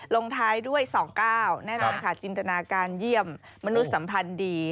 ลงท้ายด้วย๒๙แน่นอนค่ะจินตนาการเยี่ยมมนุษย์สัมพันธ์ดี